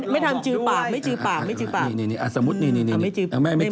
ไม่ทำดูจื้อปาก